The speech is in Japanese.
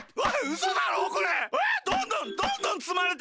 うそだろこれ！